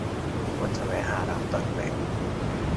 ควรจะแวะหาร้านแตกแบงค์